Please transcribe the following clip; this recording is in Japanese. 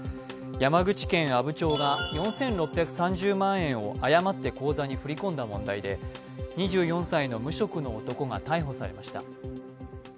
山口県阿武町が４６３０万円を誤って口座に振り込んだ問題で、２４歳の無職の男が逮捕されました。